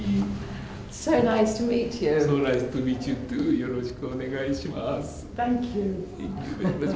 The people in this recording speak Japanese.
よろしくお願いします。